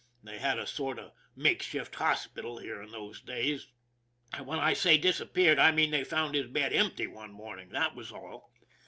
They had a sort of makeshift hospital here in those days, and when I say " disappeared " I mean they found his bed empty one morning, that was all.